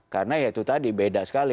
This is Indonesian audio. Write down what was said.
karena ya itu tadi beda sekali